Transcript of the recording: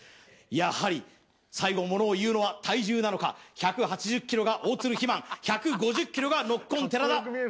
やはり最後物を言うのは体重なのか１８０ｋｇが大鶴肥満１５０ｋｇがノッコン寺田